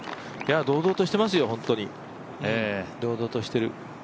堂々としていますようん、堂々としてる。